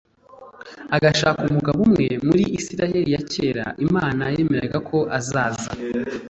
agashaka umugabo umwe Muri Isirayeli ya kera Imana yemeraga ko azaza